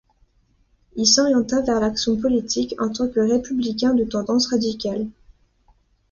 Il s'orienta vers l'action politique en tant que républicain de tendance radicale.